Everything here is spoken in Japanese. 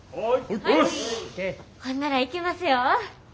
ほんならいきますよ。